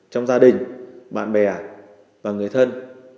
trong gia đình bạn bè và người thân